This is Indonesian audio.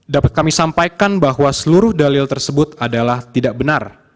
dapat kami sampaikan bahwa seluruh dalil tersebut adalah tidak benar